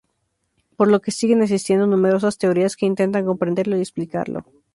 Por lo que siguen existiendo numerosas teorías que intentan comprenderlo y explicarlo.